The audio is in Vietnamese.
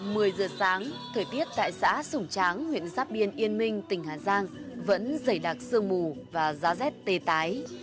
mười giờ sáng thời tiết tại xã sùng tráng huyện giáp biên yên minh tỉnh hà giang vẫn dày đặc sương mù và giá rét tê tái